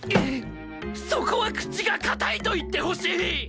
そこは口が堅いと言ってほしい！